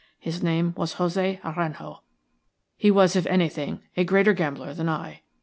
His name was José Aranjo. He was, if anything, a greater gambler than I.